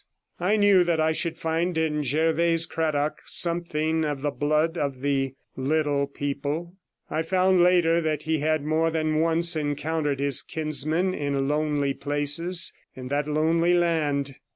I knew that I should find in Jervase Cradock something of the blood of the 'Little People', and I found later that he had more than once encountered his kinsmen in lonely places in that lonely land.